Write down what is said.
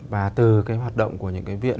và từ cái hoạt động của những cái viện